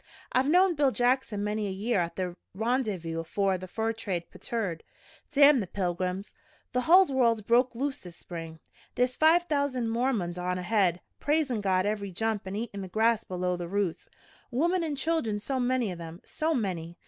I've knowed Bill Jackson many a year at the Rendyvous afore the fur trade petered. Damn the pilgrims! The hull world's broke loose this spring. There's five thousand Mormons on ahead, praisin' God every jump an' eatin' the grass below the roots. Womern an' children so many of 'em, so many!